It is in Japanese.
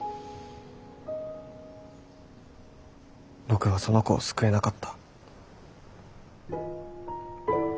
僕はその子を救えなかった。